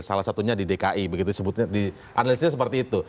salah satunya di dki begitu disebutnya di analisisnya seperti itu